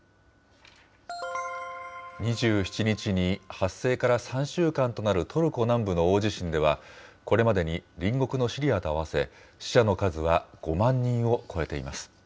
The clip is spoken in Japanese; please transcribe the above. ２７日に発生から３週間となるトルコ南部の大地震では、これまでに隣国のシリアと合わせ死者の数は５万人を超えています。